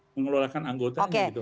mengelolakan anggotanya gitu mbak